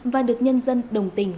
và được nhân dân đồng tình